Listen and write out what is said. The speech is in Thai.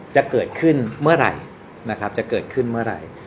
จะเกิดขึ้นเมื่อไหร่